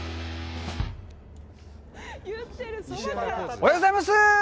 おはようございます！